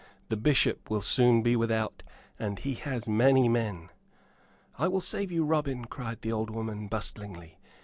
"The Bishop will soon be without, and he has many men." "I will save you, Robin," cried the old woman, bustlingly.